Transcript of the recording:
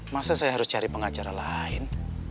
masa saya harus cari pengacara lain